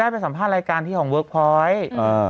ไปสัมภาษณ์รายการที่ของเวิร์คพอยต์